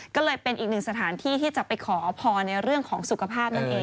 ก็เลยเป็นอีกหนึ่งสถานที่ที่จะไปขอพรในเรื่องของสุขภาพนั่นเอง